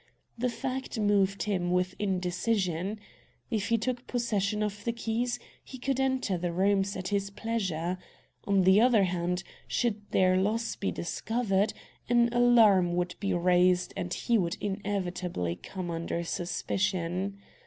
The fact moved him with indecision. If he took possession of the keys, he could enter the rooms at his pleasure. On the other hand, should their loss be discovered, an alarm would be raised and he would inevitably come under suspicion.